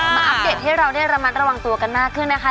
อัปเดตให้เราได้ระมัดระวังตัวกันมากขึ้นนะคะ